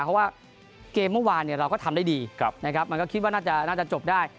เพราะว่าเกมเมื่อวานเราก็ทำได้ดีนะครับมันก็คิดว่าน่าจะจบได้